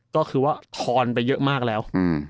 ก็คือว่าพรไปเยอะมากแล้ว